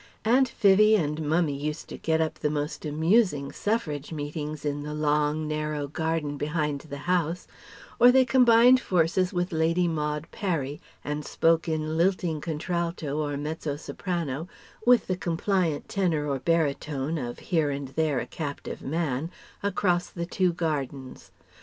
Aunt Vivie and Mummie used to get up the most amusing Suffrage meetings in the long, narrow garden behind the house; or they combined forces with Lady Maud Parry, and spoke in lilting contralto or mezzo soprano (with the compliant tenor or baritone of here and there a captive man) across the two gardens.